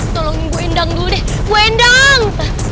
tolong ibu endang dulu deh ibu endang